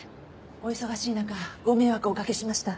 お忙しい中ご迷惑をおかけしました。